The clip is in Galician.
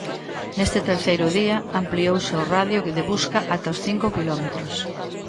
Neste terceiro día, ampliouse o radio de busca ata os cinco quilómetros.